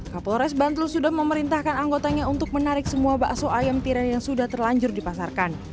kapolres bantul sudah memerintahkan anggotanya untuk menarik semua bakso ayam tirai yang sudah terlanjur dipasarkan